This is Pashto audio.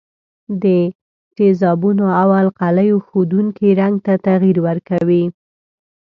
د تیزابونو او القلیو ښودونکي رنګ ته تغیر ورکوي.